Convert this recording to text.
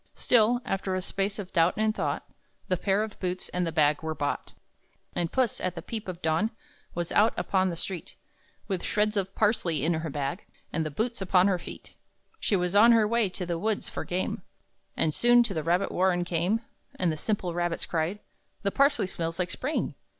Still, after a space of doubt and thought, The pair of boots and the bag were bought. And Puss, at the peep of dawn, Was out upon the street, With shreds of parsley in her bag, And the boots upon her feet. She was on her way to the woods, for game, And soon to the rabbit warren came. And the simple rabbits cried, "The parsley smells like spring!"